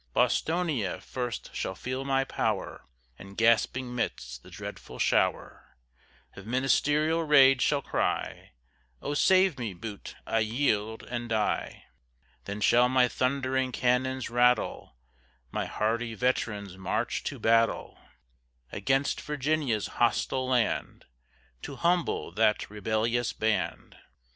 Bostonia first shall feel my power, And gasping midst the dreadful shower Of ministerial rage, shall cry, Oh, save me, Bute! I yield! and die. Then shall my thundering cannons rattle, My hardy veterans march to battle, Against Virginia's hostile land, To humble that rebellious band.